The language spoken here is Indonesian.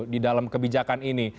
sejak tahun ini